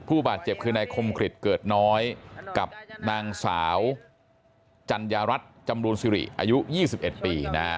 ผู้บาดเจ็บคือในคมคลิตเกิดน้อยกับนางสาวจันยรัตน์จำรวนซิริอายุ๒๑ปี